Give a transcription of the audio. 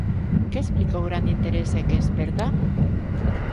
Que explica o grande interese que esperta?